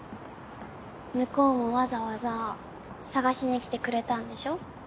向こうもわざわざ捜しに来てくれたんでしょ？